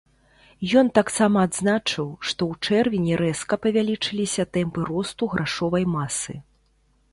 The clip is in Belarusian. Ён таксама адзначыў, што ў чэрвені рэзка павялічыліся тэмпы росту грашовай масы.